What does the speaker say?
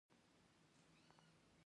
خو اصلي کار پرېږدو.